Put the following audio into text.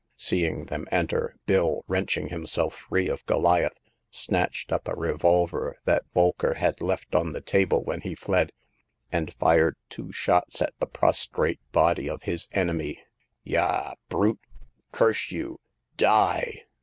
Seeing them enter, Bill, wrenching himself free of Goliath, snatched up a revolver, that Bolker had left on the table when he fled, and fired two shots at the prostrate body of his enemy. " Yah ! Brute ! Curse you ! Die